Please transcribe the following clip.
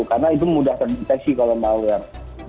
karena itu mudah terdeteksi kalau malware